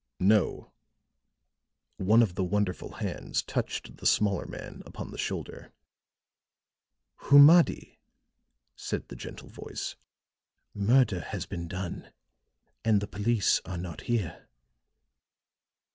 "No." One of the wonderful hands touched the smaller man upon the shoulder. "Humadi," said the gentle voice, "murder has been done and the police are not here."